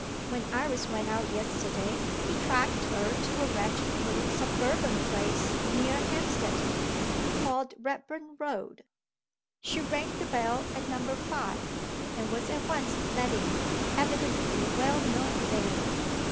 When Iris went out yesterday, he tracked her to a wretched little suburban place near Hampstead Heath, called Redburn Road. She rang the bell at Number Five, and was at once let in evidently well known there.